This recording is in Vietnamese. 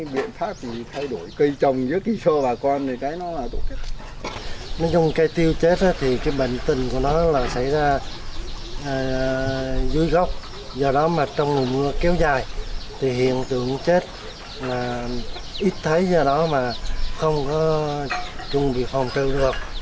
do đó mà trong mùa mưa kéo dài thì hiện tượng chết là ít thấy do đó mà không có chuẩn bị phòng trợ được